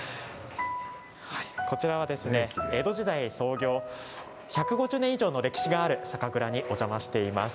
こちらはですね、江戸時代創業１５０年以上の歴史がある酒蔵にお邪魔しています。